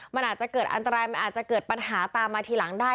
มันอาจจะเกิดอันตรายมันอาจจะเกิดปัญหาตามมาทีหลังได้